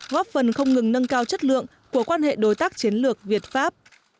góp phần không ngừng nâng cao chất lượng của quan hệ đối tác chiến lược việt pháp